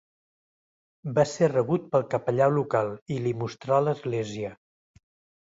Va ser rebut pel capellà local i li mostrà l'església.